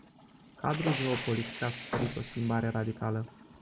Cadrul geopolitic a suferit o schimbare radicală.